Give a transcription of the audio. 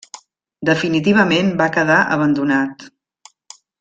Definitivament va quedar abandonat.